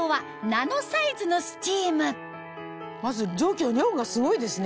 まず蒸気の量がすごいですね。